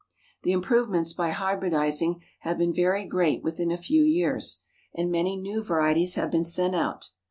The improvements by hybridizing have been very great within a few years, and many new varieties have been sent out.